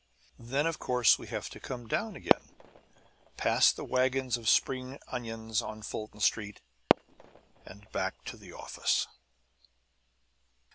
Then, of course, we have to come down again, past the wagons of spring onions on Fulton Street, and back to the office.